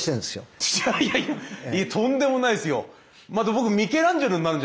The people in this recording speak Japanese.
いやいやとんでもないですよ。